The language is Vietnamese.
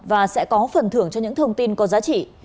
và sẽ có phần thưởng cho những thông tin có giá trị